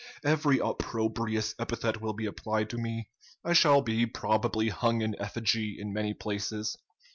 Every opprobrious epithet will be applied to me. I shall be probably hung in effigy in many places.